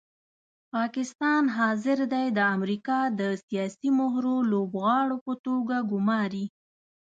پاکستان حاضر دی د امریکا د سیاسي مهرو لوبغاړو په توګه ګوماري.